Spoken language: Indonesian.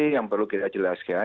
yang perlu kita jelaskan